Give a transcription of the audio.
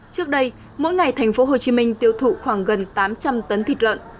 trước đây mỗi ngày tp hcm tiêu thụ khoảng gần tám trăm linh tấn thịt lợn